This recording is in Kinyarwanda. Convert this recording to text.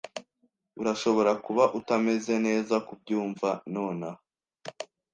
Urashobora kuba utameze neza kubyumva nonaha,